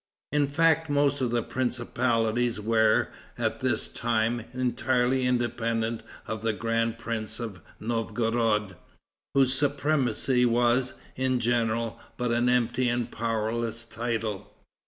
In fact, most of the principalities were, at this time, entirely independent of the grand prince of Novgorod, whose supremacy was, in general, but an empty and powerless title.